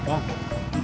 nanti gak dikasih ngutang